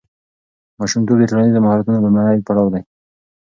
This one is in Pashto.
ماشومتوب د ټولنیز مهارتونو لومړنی پړاو دی.